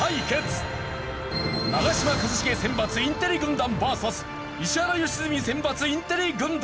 長嶋一茂選抜インテリ軍団ＶＳ石原良純選抜インテリ軍団。